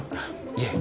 いえ。